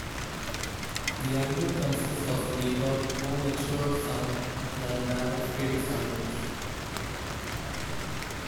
The album consists of a deeper, more mature sound than that of previous albums.